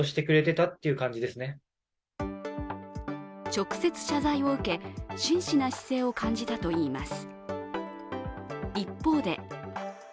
直接謝罪を受け、真摯な姿勢を感じたといいます。